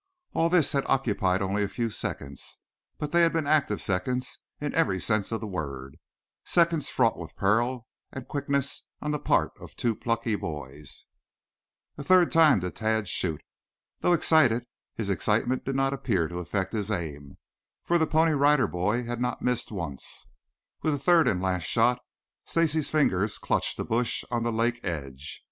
All this had occupied only a few seconds, but they had been active seconds in every sense of the word, seconds fraught with peril and quickness on the part of two plucky boys. A third time did Tad shoot. Though excited, his excitement did not appear to affect his aim, for the Pony Rider Boy had not missed once. With the third and last shot, Stacy's fingers clutched a bush on the lake edge.